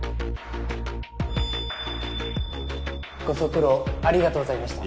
ご足労ありがとうございました。